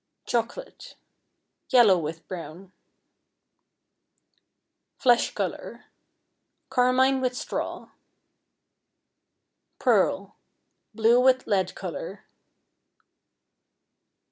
Chocolate, yellow with brown. Flesh Color, carmine with straw. Pearl, blue with lead color.